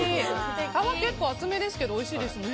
皮は結構厚めですけどおいしいですね。